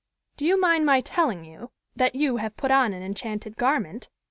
"Do you mind my telling you that you have put on an enchanted garment?"